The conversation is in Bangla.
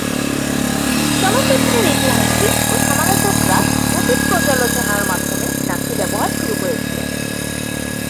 চলচ্চিত্রের ইতিহাসবিদ ও সমালোচকরা অতীত পর্যালোচনার মাধ্যমে নামটি ব্যবহার শুরু করেছিলেন।